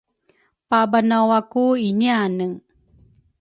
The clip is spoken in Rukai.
pabanawaku iniane.